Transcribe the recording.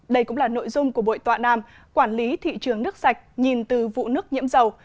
đây cũng là nội dung của buổi tọa đàm quản lý thị trường nước sạch nhìn từ vụ nước nhiễm dầu